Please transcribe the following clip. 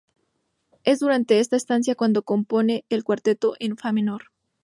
Es durante esta estancia cuando compone el cuarteto en Fa menor.